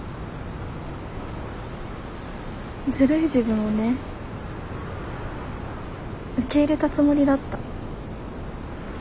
ずるい自分をね受け入れたつもりだった。